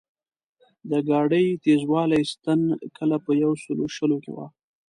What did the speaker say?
د ګاډۍ تېزوالي ستن کله په یو سلو شلو کې وه.